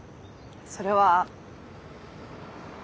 それは。